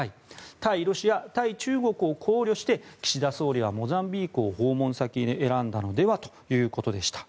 対ロシア、対中国を考慮して岸田総理はモザンビークを訪問先に選んだのではということでした。